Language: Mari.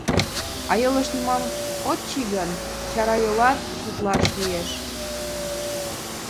А йолыш нимом от чие гын, чарайолланат шотлаш лиеш.